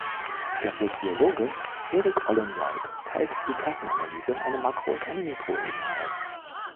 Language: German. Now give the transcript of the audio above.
Der Soziologe Erik Olin Wright teilt die Klassenanalyse in eine Makro- und eine Mikroebene auf.